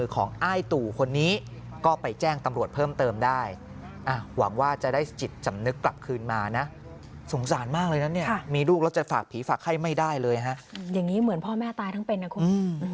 อ้ายตู่คนนี้ก็ไปแจ้งตำรวจเพิ่มเติมได้หวังว่าจะได้จิตสำนึกกลับคืนมานะสงสารมากเลยนะเนี่ยมีลูกแล้วจะฝากผีฝากไข้ไม่ได้เลยฮะอย่างนี้เหมือนพ่อแม่ตายทั้งเป็นนะคุณ